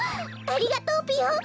ありがとうぴよ！